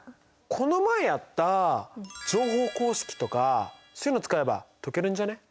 この前やった乗法公式とかそういうの使えば解けるんじゃね？